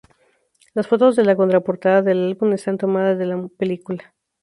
Las fotos de la contraportada del álbum están tomadas de la película.